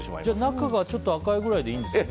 中がちょっと赤いぐらいでいいんですね。